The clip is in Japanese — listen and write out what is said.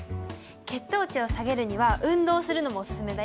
血糖値を下げるには運動するのもおすすめだよ。